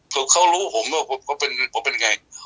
ตัวเขารู้ผมว่าผมเป็นยังไง